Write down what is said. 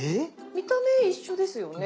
見た目一緒ですよね。